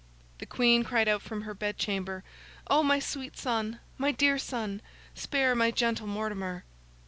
The Queen cried out from her bed chamber, 'Oh, my sweet son, my dear son, spare my gentle Mortimer!